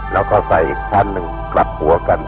แล้วก็ใส่อีกชั้นหนึ่งกลับหัวกัน